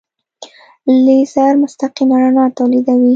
لیزر مستقیمه رڼا تولیدوي.